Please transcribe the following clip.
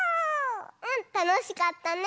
うんたのしかったね。